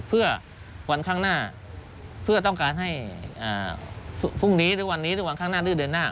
เพื่อวันข้างหน้าเพื่อต้องการให้พรุ่งนี้หรือวันนี้หรือวันข้างหน้าดื้อเดือนหน้า